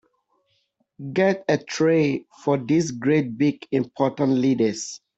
Get a tray for these great big important leaders.